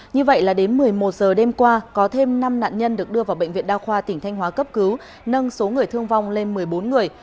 như vậy là đến một mươi một giờ đêm qua có thêm năm nạn nhân được đưa vào bệnh viện đa khoa tỉnh thanh hóa cấp cứu nâng số người thương vong lên một mươi bốn người